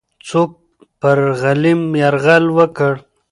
څوک پر غلیم یرغل وکړ؟